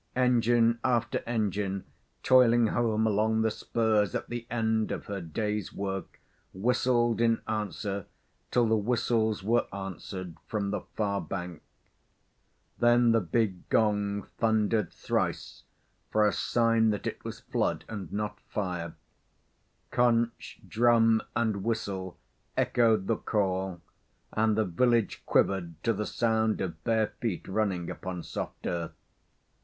Engine after engine toiling home along the spurs at the end of her day's work whistled in answer till the whistles were answered from the far bank. Then the big gong thundered thrice for a sign that it was flood and not fire; conch, drum, and whistle echoed the call, and the village quivered to the sound of bare feet running upon soft earth.